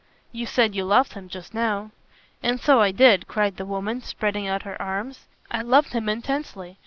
"You said you loved him just now." "And so I did," cried the woman, spreading out her arms, "I loved him intensely.